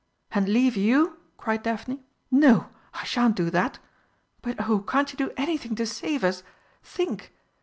"And leave you!" cried Daphne. "No, I shan't do that! But oh, can't you do anything to save us! Think!"